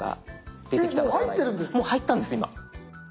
もう入ったんです今。